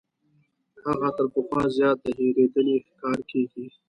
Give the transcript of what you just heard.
هغه تر پخوا زیات د هېرېدنې ښکار کیږي.